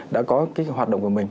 đã có cái hoạt động của mình